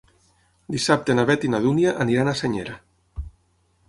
Dissabte na Beth i na Dúnia aniran a Senyera.